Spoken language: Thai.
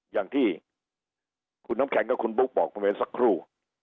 อย่างที่คุณน้ำแขกก็คุณบุ๊กบอกเพราะเว้นสักครู่